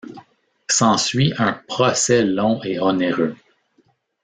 S'ensuit un procès long et onéreux.